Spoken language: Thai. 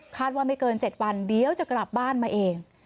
ว่าไม่เกิน๗วันเดี๋ยวจะกลับบ้านมาเอง